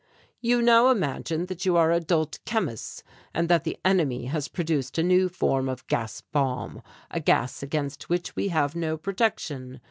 "You now imagine that you are adult chemists and that the enemy has produced a new form of gas bomb, a gas against which we have no protection.